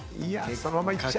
そのままいっちゃえ！